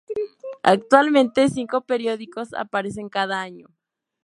Actualmente, cinco periódicos aparecen cada año.